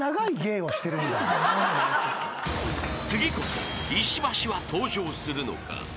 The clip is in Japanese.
［次こそ石橋は登場するのか？］